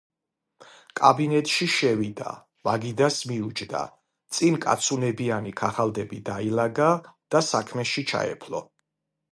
კაბინეტში შევიდა, მაგიდას მიუჯდა, წინ კაცუნებიანი ქაღალდები დაილაგა და საქმეში ჩაეფლო.